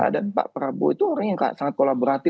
dan pak prabowo itu orang yang sangat kolaboratif